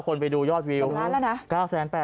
คนไปดูยอดวิว๙๘๐๐๐๐แล้วนะ